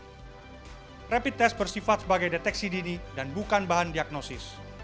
rapid test bersifat sebagai deteksi dini dan bukan bahan diagnosis